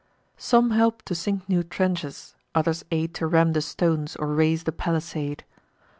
Some help to sink new trenches; others aid To ram the stones, or raise the palisade.